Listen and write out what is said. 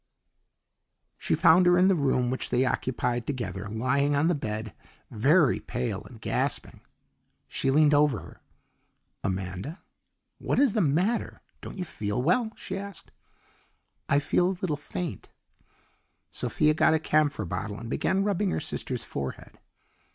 She found her in the room which they occupied together, lying on the bed, very pale and gasping. She leaned over her. "Amanda, what is the matter; don't you feel well?" she asked. "I feel a little faint." Sophia got a camphor bottle and began rubbing her sister's forehead.